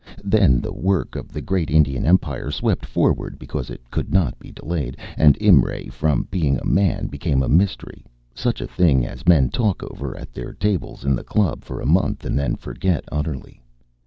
Then the work of the great Indian Empire swept forward, because it could not be delayed, and Imray, from being a man, became a mystery such a thing as men talk over at their tables in the club for a month and then forget utterly.